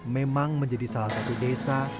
memang menjadi salah satu desa